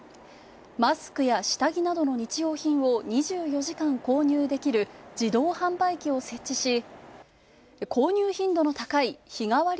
マスクや下着などの日用品を２４時間購入できる自動販売機を設置し購入頻度の高い日替わり